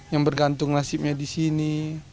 yang bergantung nasibnya di sini